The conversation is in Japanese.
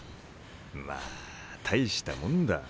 まあ大したもんだ。